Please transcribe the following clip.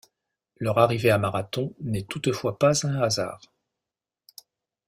Leur arrivée à Marathon n’est toutefois pas un hasard.